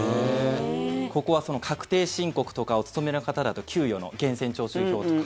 ここは確定申告とかお勤めの方だと給与の源泉徴収票とか。